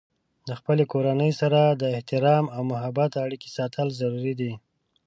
د خپلې کورنۍ سره د احترام او محبت اړیکې ساتل ضروري دي.